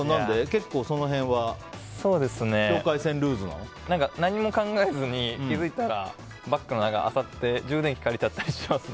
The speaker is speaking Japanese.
結構その辺は何も考えずに、気づいたらバッグの中をあさって充電器借りたりしちゃいます。